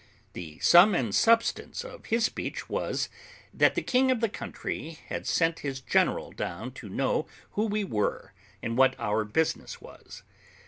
The sum and substance of his speech was, that the king of the country had sent his general down to know who we were, and what our business was.